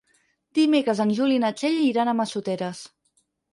Dimecres en Juli i na Txell iran a Massoteres.